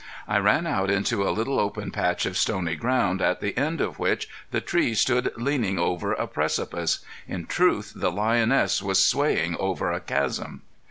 I ran out into a little open patch of stony ground at the end of which the tree stood leaning over a precipice. In truth the lioness was swaying over a chasm.